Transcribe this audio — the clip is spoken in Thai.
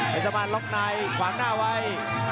เพชรตั้งบ้านลบในขวางหน้าไว้